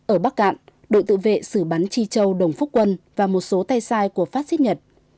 ở bắc cạn đội tự vệ xử bắn chi châu đồng phúc quân và một số tay sai của pháp xích nhật